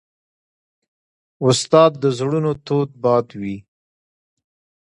استاد د زړونو تود باد وي.